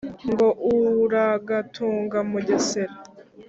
ngo: uragatunga mugesera.